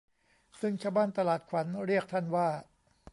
ซึ่งชาวบ้านตลาดขวัญเรียกท่านว่า